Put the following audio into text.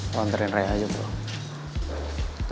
lo anterin rai aja bro